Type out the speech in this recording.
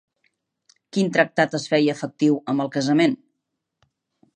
Quin tractat es feia efectiu amb el casament?